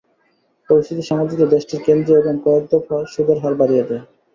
পরিস্থিতি সামাল দিতে দেশটির কেন্দ্রীয় ব্যাংক কয়েক দফা সুদের হার বাড়িয়ে দেয়।